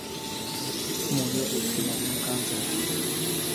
Murió víctima de un cáncer.